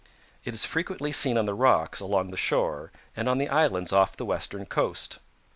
It is frequently seen on the rocks along the shore and on the islands off the western coast.